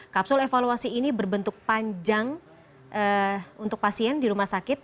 kapsul evaluasi ini berbentuk panjang untuk pasien di rumah sakit